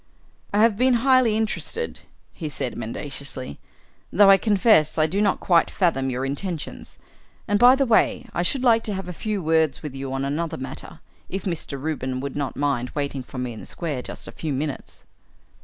"I have been highly interested," he said mendaciously, "though I confess I do not quite fathom your intentions. And, by the way, I should like to have a few words with you on another matter, if Mr. Reuben would not mind waiting for me in the square just a few minutes."